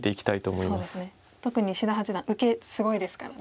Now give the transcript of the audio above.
特に志田八段受けすごいですからね。